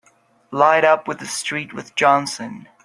Light up with the street with Johnson!